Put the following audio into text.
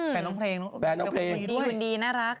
แฟนน้องเพลงด้วยเป็นคนดีน่ารัก